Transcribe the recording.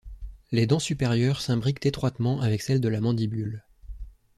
Les dents supérieures s'imbriquent étroitement avec celles de la mandibule.